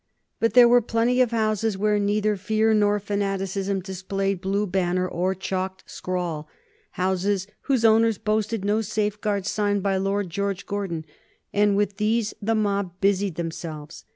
But there were plenty of houses where neither fear nor fanaticism displayed blue banner or chalked scrawl, houses whose owners boasted no safeguard signed by Lord George Gordon, and with these the mob busied themselves.